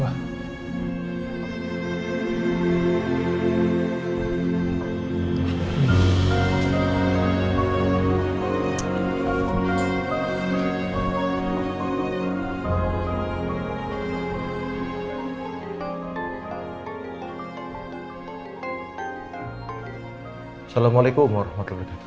assalamualaikum warahmatullahi wabarakatuh